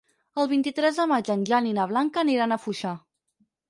El vint-i-tres de maig en Jan i na Blanca aniran a Foixà.